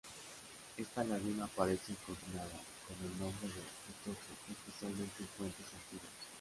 Esta laguna aparece consignada con el nombre "de Ritoque" especialmente en fuentes antiguas.